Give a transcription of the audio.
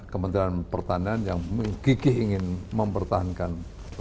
kementerian pertanian yang menggigih ingin mempertahankan